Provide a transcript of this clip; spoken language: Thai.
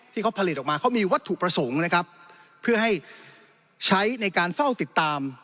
ที่เขาผลิตออกมาเขามีวัตถุประสงค์นะครับเพื่อให้ใช้ในการเฝ้าติดตาม